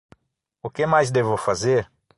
O que mais devo fazer?